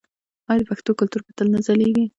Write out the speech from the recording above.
آیا د پښتنو کلتور به تل نه ځلیږي؟